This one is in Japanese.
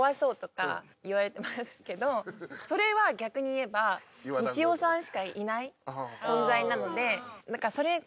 それは逆に言えばみちおさんしかいない存在なのでだからそれこそ。